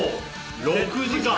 ６時間！